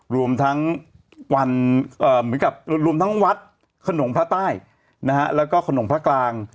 รวมทั้งวัดขนมพระใต้แล้วก็ขนมพระกลาง